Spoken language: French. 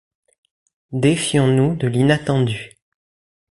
Défions-nous de l’inattendu.